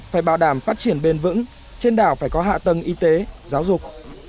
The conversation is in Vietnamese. phải bảo đảm phát triển bền vững trên đảo phải có hạ tầng y tế giáo dục